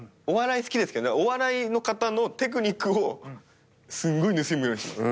お笑い好きですけどお笑いの方のテクニックをすんごい盗む。